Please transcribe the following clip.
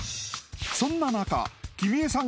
そんな中お客さん